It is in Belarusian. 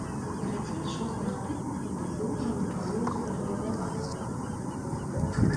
Карацей, шосты артыкул тады быў ўжо напалову спаралізаваны.